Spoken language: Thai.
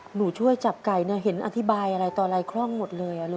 หนูช่วยจับไก่เห็นอธิบายอะไรต่อลายคล่องหมดเลย